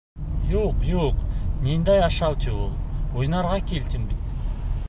— Юҡ-юҡ, ниндәй ашау ти ул, уйнарға кил, тим бит.